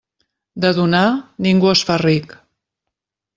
De donar, ningú es fa ric.